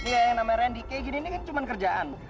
nih yang namanya randy k gini gini kan cuma kerjaan